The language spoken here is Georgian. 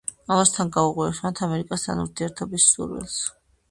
ამასთან, გაუღვივებს მათ ამერიკასთან ურთიერთობის სურვილს.